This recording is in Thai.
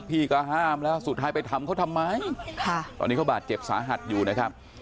พี่ก็ห้ามแล้วสุดท้ายไปทำเขาทำไมตอนนี้เขาบาดเจ็บสาหัสอยู่นะครับ